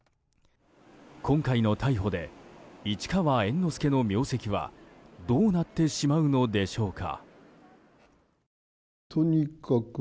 今回の逮捕で市川猿之助の名跡はどうなってしまうのでしょうか。